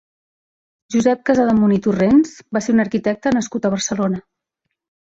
Josep Casademunt i Torrents va ser un arquitecte nascut a Barcelona.